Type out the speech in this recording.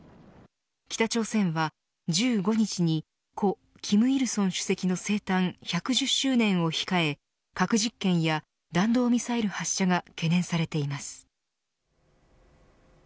北朝鮮は１５日に故、金日成主席の生誕１１０周年を控え核実験や弾道ミサイル発射が懸念されています。